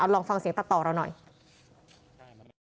ลองฟังเสียงตัดต่อเราหน่อย